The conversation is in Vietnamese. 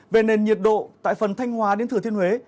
về nền nhiệt độ tại phần thanh hóa đến thừa thiên huế